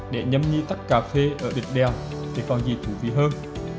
để nhâm nhi tắc cà phê ở địch đèo thì còn gì thú vị hơn